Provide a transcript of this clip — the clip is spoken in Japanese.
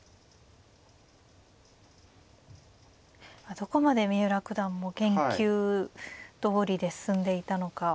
どこまで三浦九段も研究どおりで進んでいたのか。